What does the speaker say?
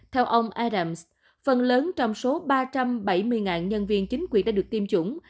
theo ông irams phần lớn trong số ba trăm bảy mươi nhân viên chính quyền đã được tiêm chủng